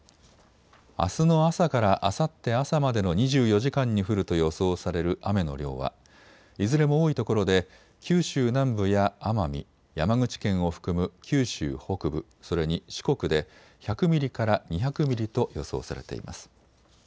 あすの朝からあさって朝までの２４時間に降ると予想される雨の量はいずれも多いところで九州南部や奄美、山口県を含む九州北部、それに四国で１００ミリから２００ミリと予想されています。